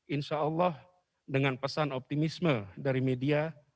insyaallah dengan pesan optimisme dari media